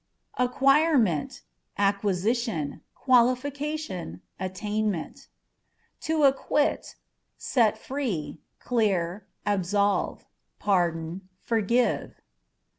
Acquirement â€" acquisition ; qualification, attainment. To Acquit â€" set free, clear, absolve ; pardon, forgive.